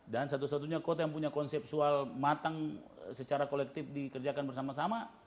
satu satunya kota yang punya konsepual matang secara kolektif dikerjakan bersama sama